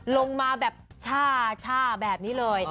ลงมาแบบช่าแบบนี้เลย